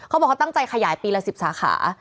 เขาบอกเขาตั้งใจขยายปีละ๑๐สาขา